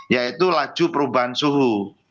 yaitu laju perubahan suhu